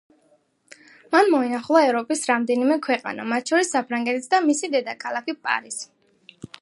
მან მოინახულა ევროპის რამდენიმე ქვეყანა, მათ შორის საფრანგეთიც და მისი დედაქალაქი პარიზი.